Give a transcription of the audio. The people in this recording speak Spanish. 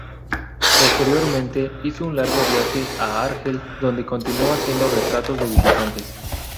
Posteriormente hizo un largo viaje a Argel, donde continuó haciendo retratos de visitantes.